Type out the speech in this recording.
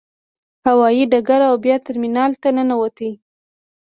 هوايي ډګر او بیا ترمینال ته ننوتو.